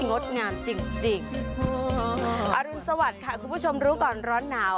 งดงามจริงจริงอรุณสวัสดิ์ค่ะคุณผู้ชมรู้ก่อนร้อนหนาว